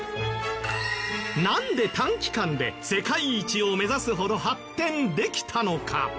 なんで短期間で世界一を目指すほど発展できたのか？